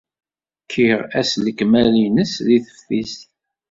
Kkiɣ ass s lekmal-nnes deg teftist.